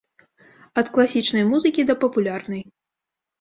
Ад класічнай музыкі да папулярнай.